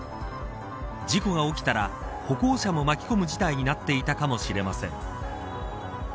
事故が起きたら歩行者も巻き込む事態になっていたかもしれません。